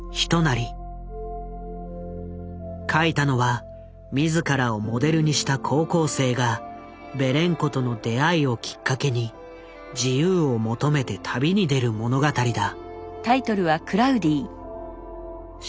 書いたのは自らをモデルにした高校生がベレンコとの出会いをきっかけに自由を求めて旅に出る物語だ。